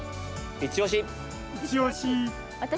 いちオシ！